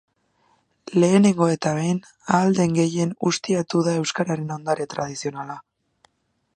Lehenengo eta behin, ahal den gehien ustiatu da euskararen ondare tradizionala.